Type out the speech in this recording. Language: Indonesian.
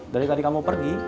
dari tadi kamu pergi